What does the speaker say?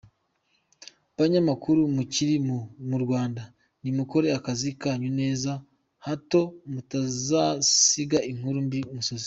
Banyamakuru mukiri mu Rwanda nimukore akazi kanyu neza hato mutazasiga inkuru mbi imusozi.